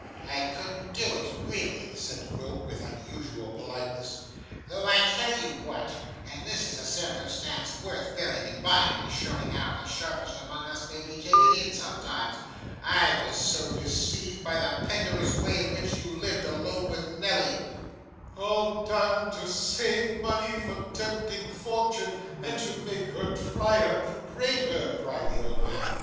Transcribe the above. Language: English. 'I couldn't do it really,' said Quilp with unusual politeness, 'though I tell you what and this is a circumstance worth bearing in mind as showing how the sharpest among us may be taken in sometimes I was so deceived by the penurious way in which you lived, alone with Nelly ' 'All done to save money for tempting fortune, and to make her triumph greater,' cried the old man.